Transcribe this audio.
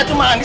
aku mau pergi